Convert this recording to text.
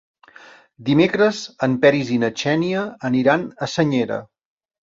Dimecres en Peris i na Xènia aniran a Senyera.